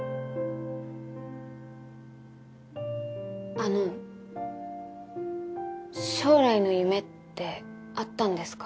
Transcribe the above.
あの将来の夢ってあったんですか？